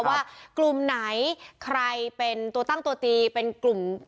ว่ากลุ่มไหนใครเป็นตัวตั้งตัวตีเป็นกลุ่ม